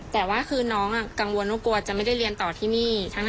แต่ว่าคือน้องกังวลว่ากลัวจะไม่ได้เรียนต่อที่นี่